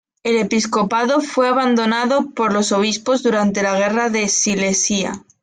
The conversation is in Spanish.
El episcopado fue abandonado por los obispos durante las Guerras de Silesia.